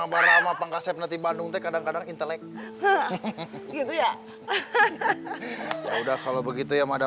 abarama pangkasep nanti bandung teh kadang kadang intelek gitu ya udah kalau begitu ya mada